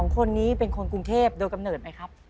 ๒คนนี้เป็นคนกรุงเทพโดยกำเนิดไหมครับ